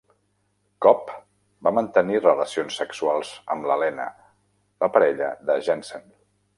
Cobb va mantenir relacions sexuals amb la Lena, la parella de Jensen.